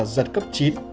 giật cấp chín